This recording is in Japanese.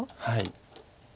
はい。